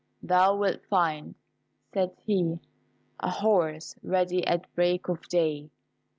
"Thou wilt find," said he, "a horse ready at break of day.